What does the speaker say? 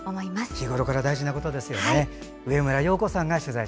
日ごろから大事なことですよね。